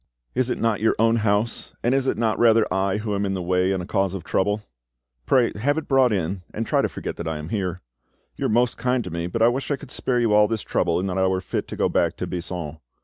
"Is it not your own house, and is it not rather I who am in the way and a cause of trouble? Pray have it brought in, and try to forget that I am here. You are most kind to me, but I wish I could spare you all this trouble and that I were fit to go back to Buisson.